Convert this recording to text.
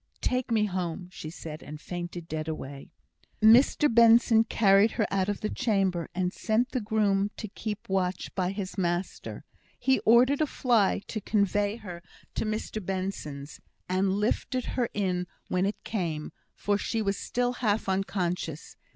"Take me home," she said, and fainted dead away. Mr Davis carried her out of the chamber, and sent the groom to keep watch by his master. He ordered a fly to convey her to Mr Benson's, and lifted her in when it came, for she was still half unconscious.